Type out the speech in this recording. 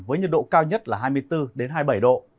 với nhiệt độ cao nhất là hai mươi bốn hai mươi bảy độ